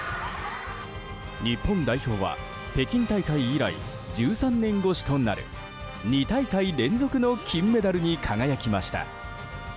日本代表は北京大会以来１３年越しとなる２大会連続の金メダルに輝きました。